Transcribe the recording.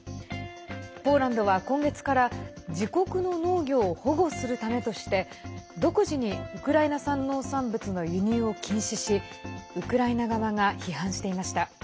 ポーランドは今月から自国の農業を保護するためとして独自にウクライナ産農産物の輸入を禁止しウクライナ側が批判していました。